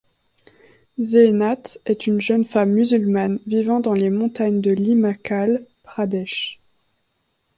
Zeenat est une jeune femme musulmane vivant dans les montagnes de l'Himachal Pradesh.